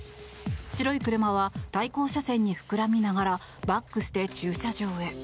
白い車は対向車線に膨らみながらバックして駐車場へ。